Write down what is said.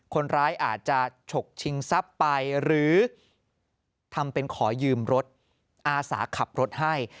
คนร้ายอาจจะฉกชิงทรัพย์ไปหรือทำเป็นขอยืมรถอาสาขับรถให้